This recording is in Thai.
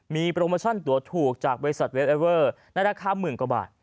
มีโปรโมชั่นตัวถูกจากบริษัทเวทเอเวอร์ในราคาหมื่นกว่าบาท